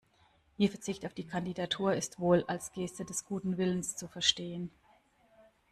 Ihr Verzicht auf die Kandidatur ist wohl als Geste des guten Willens zu verstehen.